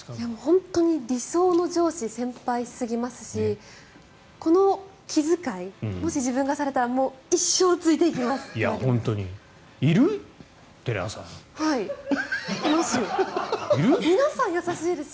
本当に理想の上司先輩すぎますしこの気遣い、もし自分がされたらもう、一生ついていきますという感じです。